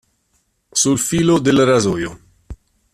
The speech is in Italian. Sul filo del rasoio